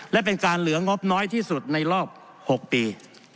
และเป็นการเหลืองบน้อยที่สุดในรอบ๖ปี